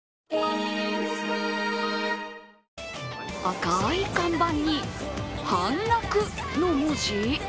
赤い看板に半額の文字？